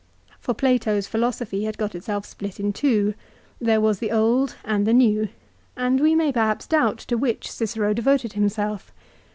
For Plato's philosophy had got itself split into two. There was the old and the new, and we may perhaps doubt to which Cicero devoted himself.